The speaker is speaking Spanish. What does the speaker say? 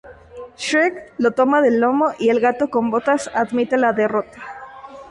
Shrek lo toma del lomo y el Gato con Botas admite la derrota.